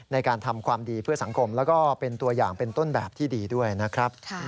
ในการทำความดีเพื่อสังคมแล้วก็เป็นตัวอย่างเป็นต้นแบบที่ดีด้วยนะครับ